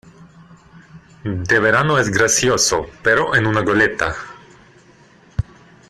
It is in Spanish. de verano es gracioso, pero en una goleta ,